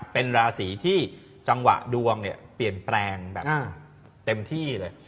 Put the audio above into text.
เป็นราศีที่จังหวะดวงเนี่ยเปลี่ยนแปลงแบบเต็มที่เลย